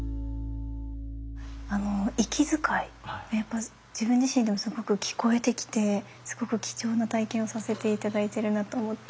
あの息遣いやっぱ自分自身でもすごく聞こえてきてすごく貴重な体験をさせて頂いてるなと思って。